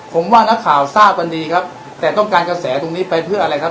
ผมว่านักข่าวทราบกันดีครับแต่ต้องการกระแสตรงนี้ไปเพื่ออะไรครับ